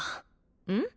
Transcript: うん？